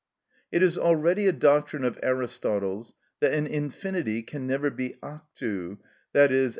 It is already a doctrine of Aristotle's that an infinity can never be actu, _i.e.